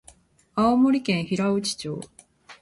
青森県平内町